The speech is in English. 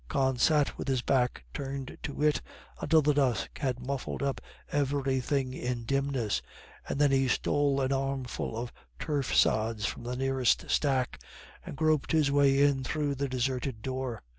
Con sat with his back turned to it until the dusk had muffled up everything in dimness, and then he stole an armful of turf sods from the nearest stack, and groped his way in through the deserted door.